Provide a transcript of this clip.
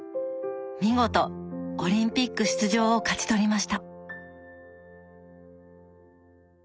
見事オリンピック出場を勝ち取りました。